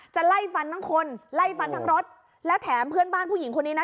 ไล่ฟันทั้งคนไล่ฟันทั้งรถแล้วแถมเพื่อนบ้านผู้หญิงคนนี้นะ